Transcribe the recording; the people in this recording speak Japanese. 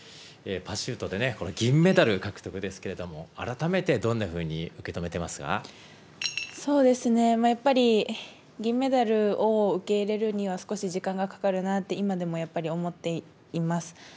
パシュートで銀メダル獲得ですけれども、改めてどんなふうに受けそうですね、やっぱり、銀メダルを受け入れるには少し時間がかかるなって、今でもやっぱり思っています。